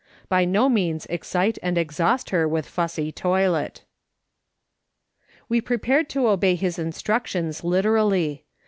By no means excite and exhaust her with a fussy toilet." We prepared to obey his instructions literally.